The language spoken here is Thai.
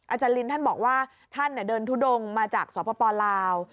อาจารย์ลินท่านบอกว่าท่านเดินทุดงมาจากสปลาว